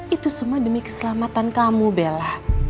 itu semua demi keselamatan kamu bella